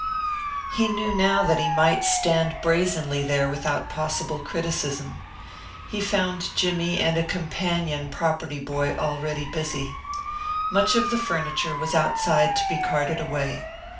He knew now that he might stand brazenly there without possible criticism. He found Jimmy and a companion property boy already busy. Much of the furniture was outside to be carted away.